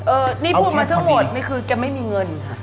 นี่พูดมาทั้งหมดนี่คือแกไม่มีเงินค่ะ